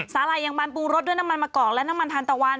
สาหร่ายยังมันปรุงรสด้วยน้ำมันมะกอกและน้ำมันทานตะวัน